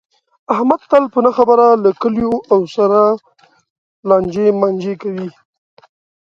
احمد تل په نه خبره له کلیواو سره لانجې مانجې کوي.